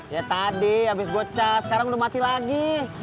ya tadi abis gue cas sekarang udah mati lagi